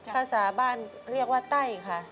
ภาษาบ้านเรียกว่าไต้ค่ะ